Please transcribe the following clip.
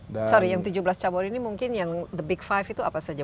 sorry yang tujuh belas cabur ini mungkin yang the big five itu apa saja